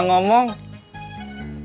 terima kasih ip